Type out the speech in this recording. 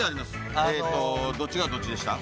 どっちがどっちでした？